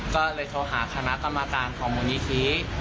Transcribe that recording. ก็เลยโทรหาคณะกรรมการของมูลนิธิ